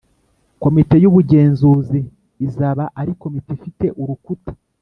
Komite y Ubugenzuzi izaba ari Komite ifite urukuta